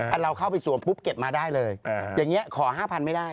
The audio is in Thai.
เราเข้าไปสวมปุ๊บเก็บมาได้เลยอย่างนี้ขอ๕๐๐ไม่ได้